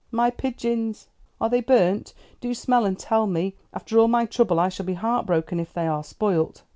"My pigeons! Are they burnt? Do smell and tell me? After all my trouble I shall be heart broken if they are spoilt."